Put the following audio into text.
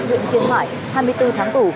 huyện kiên hải hai mươi bốn tháng tủ